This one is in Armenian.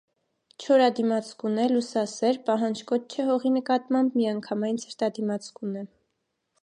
Չորադիմացկուն է, լուսասեր, պահանջկոտ չէ հողի նկատմամբ, միանգամայն ցրտադիմացկուն է։